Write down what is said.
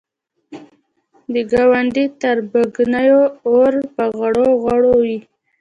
د ګوندي تربګنیو اور په غړغړو وي.